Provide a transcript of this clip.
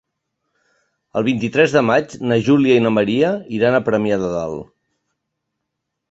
El vint-i-tres de maig na Júlia i na Maria iran a Premià de Dalt.